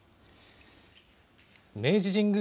明治神宮